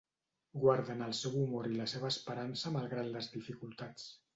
Guarden el seu humor i la seva esperança malgrat les dificultats.